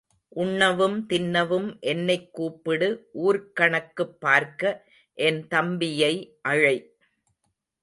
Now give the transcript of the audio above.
உண்ணவும் தின்னவும் என்னைக் கூப்பிடு ஊர்க்கணக்குப் பார்க்க என் தம்பியை அழை.